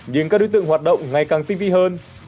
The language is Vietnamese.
nhưng các đối tượng hoạt động ngày càng tinh vi hơn